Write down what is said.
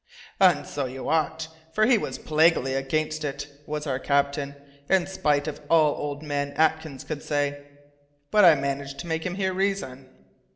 "And so you ought, for he was plaguily against it, was our captain, in spite of all old man Atkins could say. But I managed to make him hear reason."